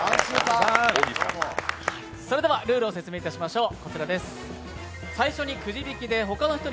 それではルールを説明いたしましょう。